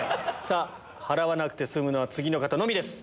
払わなくて済むのは次の方のみです。